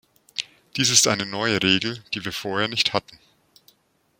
Dies ist eine neue Regel, die wir vorher nicht hatten.